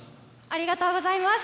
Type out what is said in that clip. ありがとうございます。